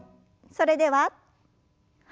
それでははい。